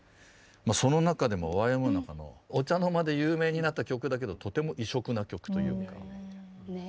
その中でもＹＭＯの中のお茶の間で有名になった曲だけどとても異色な曲というか。